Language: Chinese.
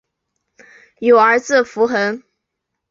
有儿子伏暅。